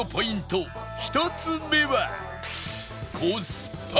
１つ目は